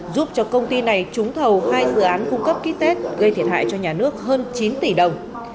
giúp cho công ty này trúng thầu hai dự án cung cấp ký tết gây thiệt hại cho nhà nước hơn chín tỷ đồng